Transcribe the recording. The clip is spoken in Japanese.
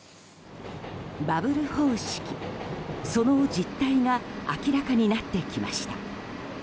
バブル方式、その実態が明らかになってきました。